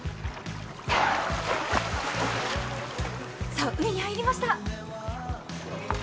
さあ、海に入りました。